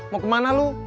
mau kemana lo